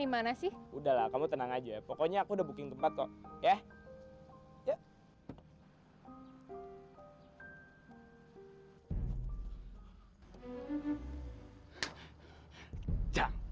gimana sih udahlah kamu tenang aja pokoknya aku udah booking tempat kok ya yuk